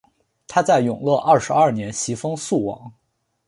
他在永乐二十二年袭封肃王。